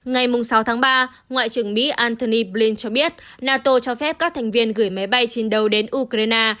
ngày sáu tháng ba ngoại trưởng mỹ antony blin cho biết nato cho phép các thành viên gửi máy bay chiến đấu đến ukraine